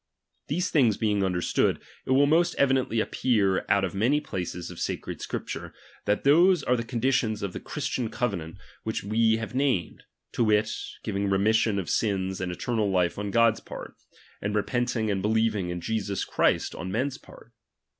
These things Vjeing understood, it will most evidently appear out of many places of sa cred Scripture, that those are the conditions of the Christian covenant which we have named ; to wit, giving remission of sins and eternal life on God's part ; and repenting and believing in Jesus Christ, on men's part.